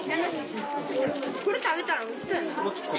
これ食べたらおいしそうやな。